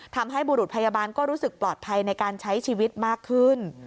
ทำให้บุรุษพยาบาลก็รู้สึกปลอดภัยในการใช้ชีวิตมากขึ้น